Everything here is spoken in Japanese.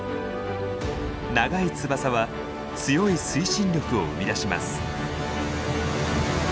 長い翼は強い推進力を生み出します。